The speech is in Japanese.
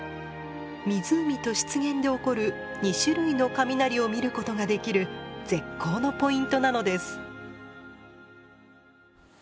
湖と湿原で起こる２種類の雷を見ることができる絶好のポイントなのです。